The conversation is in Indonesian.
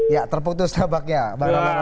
ya terputus tabaknya